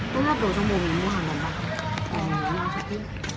tôi hát đồ trong bồn mình mua hàng bằng bạc